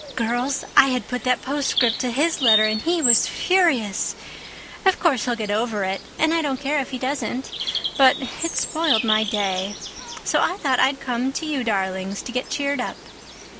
Girls, I had put that postscript to his letter and he was furious. Of course he'll get over it—and I don't care if he doesn't—but it spoiled my day. So I thought I'd come to you darlings to get cheered up.